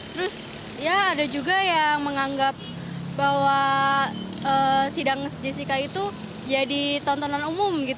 terus ya ada juga yang menganggap bahwa sidang jessica itu jadi tontonan umum